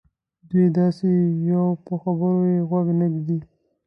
دوی داسې یوو په خبرو یې غوږ نه ږدي.